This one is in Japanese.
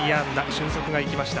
俊足が生きました。